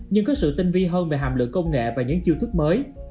nhưng có sự tinh vi hơn về hàm lượng công nghệ và những chiêu thức mới